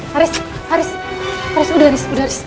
haris haris haris udah haris udah